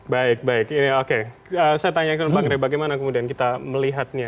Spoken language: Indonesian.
baik baik saya tanya ke bang rai bagaimana kemudian kita melihatnya